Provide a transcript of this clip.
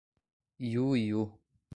Iuiú